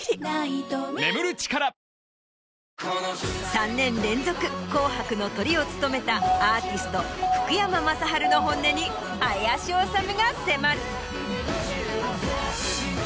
３年連続『紅白』のトリを務めたアーティスト福山雅治の本音に林修が迫る。